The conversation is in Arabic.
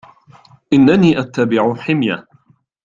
إنني أتبع حمية.